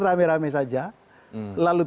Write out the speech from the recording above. ramai ramai saja lalu